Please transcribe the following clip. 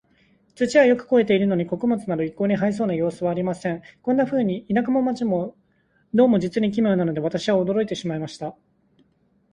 土はよく肥えているのに、穀物など一向に生えそうな様子はありません。こんなふうに、田舎も街も、どうも実に奇妙なので、私は驚いてしまいました。